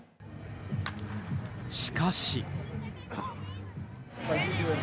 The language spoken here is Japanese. しかし。